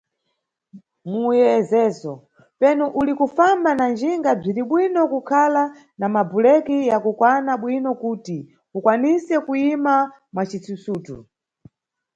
Muyezezo: Penu uli kufamba na njinga bziribwino kukhala na mabhuleki ya kukwana bwino kuti ukwanise kuyima mwa cisusutu.